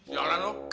ya allah dong